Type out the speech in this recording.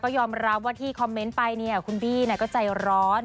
ยอมรับว่าที่คอมเมนต์ไปเนี่ยคุณบี้ก็ใจร้อน